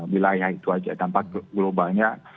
wilayah itu aja dampak globalnya